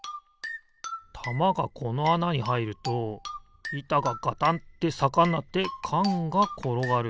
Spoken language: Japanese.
たまがこのあなにはいるといたがガタンってさかになってかんがころがる。